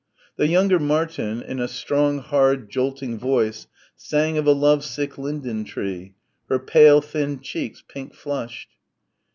The younger Martin in a strong hard jolting voice sang of a love sick Linden tree, her pale thin cheeks pink flushed.